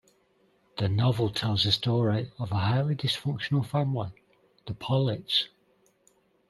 The novel tells the story of a highly dysfunctional family, the Pollits.